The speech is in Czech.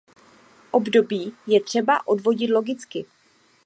Období je třeba odvodit logicky.